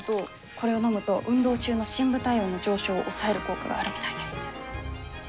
これを飲むと運動中の深部体温の上昇を抑える効果があるみたいで。